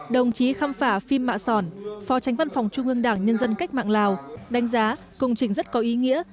đồng chí khăm phả phim mạ sòn phó tránh văn phòng trung ương đảng nhân dân cách mạng lào đánh giá công trình rất có ý nghĩa